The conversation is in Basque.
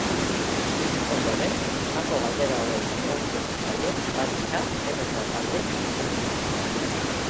Ondoren, honako galdera hauei erantzungo zaie banaka edota talde txikian.